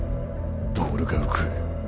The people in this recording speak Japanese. ボールが浮く。